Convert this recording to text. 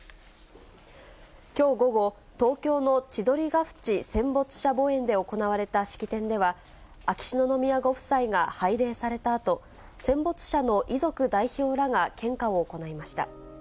きょう午後、東京の千鳥ヶ淵戦没者墓苑で行われた式典では、秋篠宮ご夫妻が拝礼されたあと、戦没者の遺族代表らが献花を行いました。